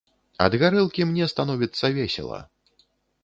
Ад гарэлкі мне становіцца весела.